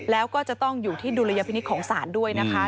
แล้วก็จะต้องอยู่ที่ดุลยพินิษฐ์ของศาลด้วยนะคะ